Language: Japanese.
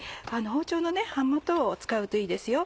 包丁の刃元を使うといいですよ。